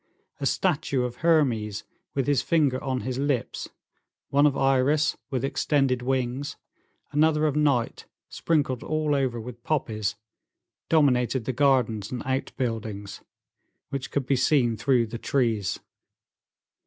A statue of Hermes, with his finger on his lips; one of Iris, with extended wings; another of Night, sprinkled all over with poppies, dominated the gardens and outbuildings, which could be seen through the trees.